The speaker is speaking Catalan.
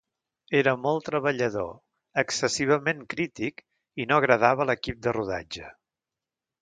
Era molt treballador, excessivament crític i no agradava a l'equip de rodatge.